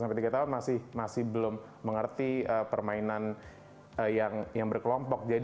sampai tiga tahun masih belum mengerti permainan yang berkelompok